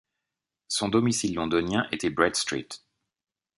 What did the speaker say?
Son domicile londonien était Bread Street.